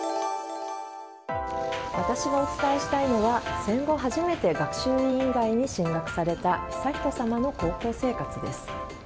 私がお伝えしたいのは戦後初めて学習院以外に進学された悠仁さまの高校生活です。